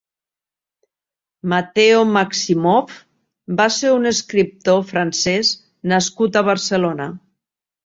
Matéo Maximoff va ser un escriptor francès nascut a Barcelona.